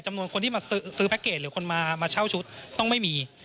จำนวนคนที่มาซื้อซื้อแพ็คเกจหรือคนมามาเช่าชุดต้องไม่มี